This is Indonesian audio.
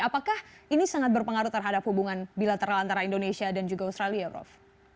apakah ini sangat berpengaruh terhadap hubungan bilateral antara indonesia dan juga australia prof